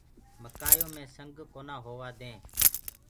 مڪآيو مي سنگ ڪونآ هوآ دينٚ۔